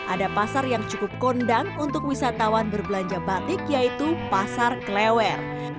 ada pasar yang cukup kondang untuk wisatawan berbelanja batik yaitu pasar kelewer